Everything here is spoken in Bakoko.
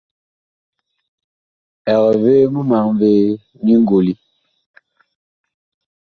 Eg vee mumaŋ vee nyi ngoli?